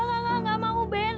enggak enggak enggak mau ben